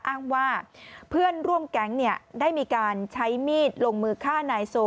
อ้างว่าเพื่อนร่วมแก๊งได้มีการใช้มีดลงมือฆ่านายโซ